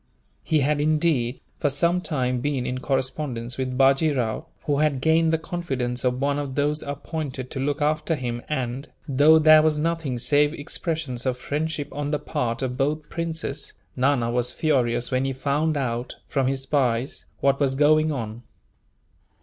He had, indeed, for some time been in correspondence with Bajee Rao, who had gained the confidence of one of those appointed to look after him and, though there was nothing save expressions of friendship on the part of both princes, Nana was furious when he found out, from his spies, what was going on.